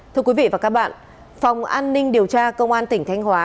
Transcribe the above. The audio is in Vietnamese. thưa quý vị và các bạn phòng an ninh điều tra công an tỉnh thanh hóa